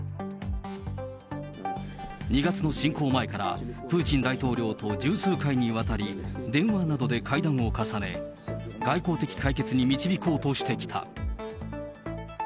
２月の侵攻前から、プーチン大統領と十数回にわたり電話などで会談を重ね、外交的解決に導こうとしてきた。